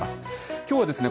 きょうはですね